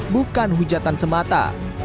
bukan hujatan semata